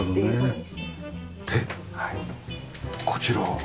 でこちらは？